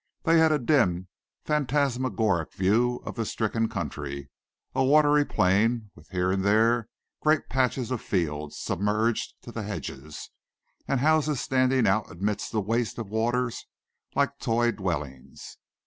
They had a dim, phantasmagoric view of the stricken country: a watery plain, with here and there great patches of fields, submerged to the hedges, and houses standing out amidst the waste of waters like toy dwellings.